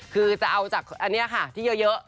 คือจะเอาจากอันนี้ค่ะที่เยอะ